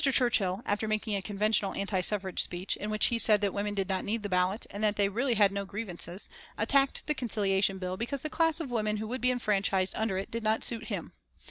Churchill, after making a conventional anti suffrage speech, in which he said that women did not need the ballot, and that they really had no grievances, attacked the Conciliation Bill because the class of women who would be enfranchised under it did not suit him.